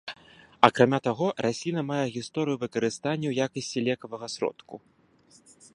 Акрамя таго, расліна мае гісторыю выкарыстання ў якасці лекавага сродку.